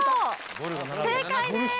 正解です！